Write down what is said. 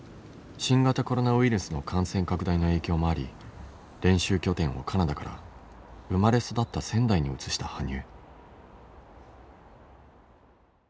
新型コロナウイルスの感染拡大の影響もあり練習拠点をカナダから生まれ育った仙台に移した羽生。